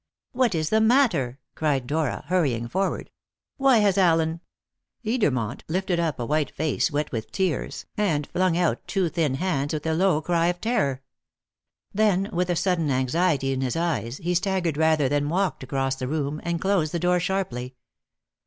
"What is the matter?" cried Dora, hurrying forward. "Why has Allen " Edermont lifted up a white face wet with tears, and flung out two thin hands with a low cry of terror. Then, with a sudden anxiety in his eyes, he staggered rather than walked across the room, and closed the door sharply.